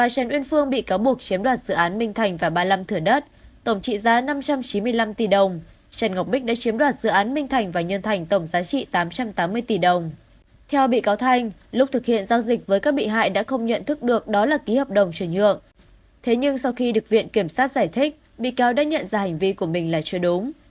thế nhưng sau khi được viện kiểm sát giải thích bị cáo đã nhận ra hành vi của mình là chưa đúng